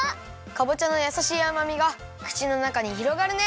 かぼちゃのやさしいあまみがくちのなかにひろがるね！